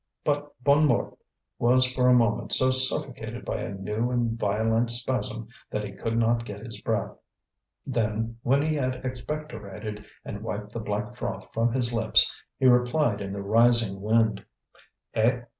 But Bonnemort was for a moment so suffocated by a new and violent spasm that he could not get his breath. Then, when he had expectorated and wiped the black froth from his lips, he replied in the rising wind: "Eh?